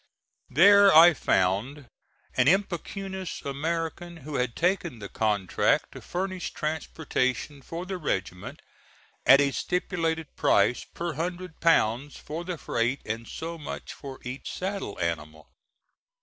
There I found an impecunious American who had taken the contract to furnish transportation for the regiment at a stipulated price per hundred pounds for the freight and so much for each saddle animal.